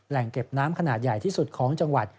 เก็บน้ำขนาดใหญ่ที่สุดของจังหวัด